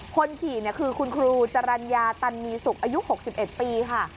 คนขี่คือคุณครูจรัญญาตันมีสุขอายุ๖๑ปีค่ะ